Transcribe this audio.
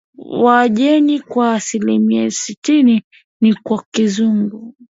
wa jeni kwa asilimia sitini ni wa Kizungu